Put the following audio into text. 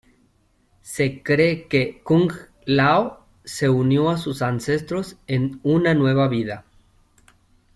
Se cree que Kung Lao se unió a sus ancestros en una nueva vida.